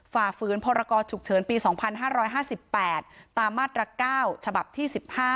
ฝ่าฝืนพรกรฉุกเฉินปี๒๕๕๘ตามมาตร๙ฉบับที่๑๕